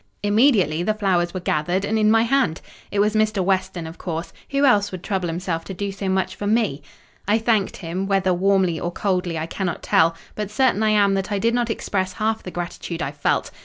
Immediately the flowers were gathered, and in my hand. It was Mr. Weston, of course—who else would trouble himself to do so much for me? "I thanked him; whether warmly or coldly, I cannot tell: but certain I am that I did not express half the gratitude I felt.